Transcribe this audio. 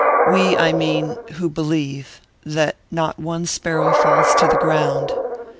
"We, I mean, who believe...that not one sparrow falls to the ground...."